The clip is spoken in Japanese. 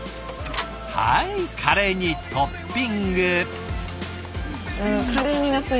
はいカレーにトッピング。入れてる。